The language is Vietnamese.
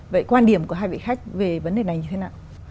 vậy quan điểm của hai vị khách về vấn đề này như thế nào